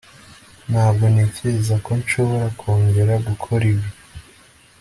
ntabwo ntekereza ko nshobora kongera gukora ibi